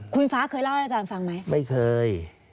คุณฟ้าเคยเล่าให้อาจารย์ฟังไหมไม่เคย